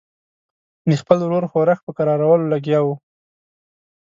د خپل ورور ښورښ په کرارولو لګیا وو.